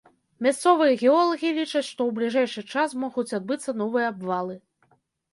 Мясцовыя геолагі лічаць, што ў бліжэйшы час могуць адбыцца новыя абвалы.